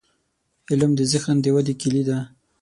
• علم، د ذهن د ودې کلي ده.